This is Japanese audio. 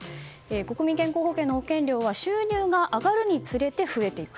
国民健康保険の保険料は収入が上がるにつれて増えていく。